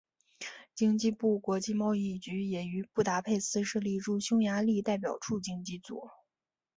经济部国际贸易局也于布达佩斯设立驻匈牙利代表处经济组。